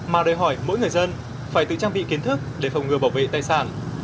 mà đòi hỏi mỗi người dân phải tự trang bị kiến thức để phòng ngừa bảo vệ tài sản